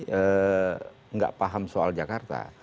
tidak paham soal jakarta